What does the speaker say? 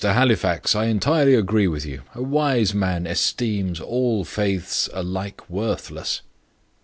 Halifax, I entirely agree with you. A wise man esteems all faiths alike worthless."